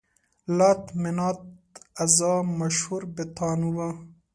لات، منات، عزا مشهور بتان وو.